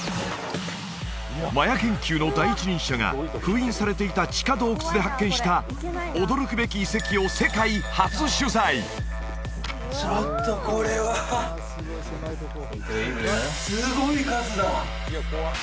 マヤ研究の第一人者が封印されていた地下洞窟で発見した驚くべき遺跡を世界初取材ちょっとこれはすごい数だ！